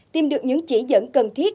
tìm được những chỉ dẫn cần thiết